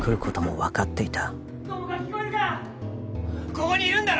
ここにいるんだろ？